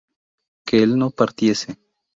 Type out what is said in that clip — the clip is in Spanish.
que él no partiese